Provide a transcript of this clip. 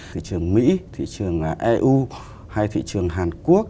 thị trường mỹ thị trường eu hay thị trường hàn quốc